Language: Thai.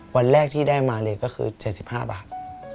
วันแรกที่ได้มาเลยก็คือ๗๕บาท